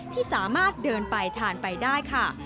ที่สามารถเดินไปทานไปได้ค่ะ